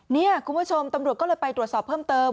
นี่คุณผู้ชมตำรวจก็เลยไปตรวจสอบเพิ่มเติม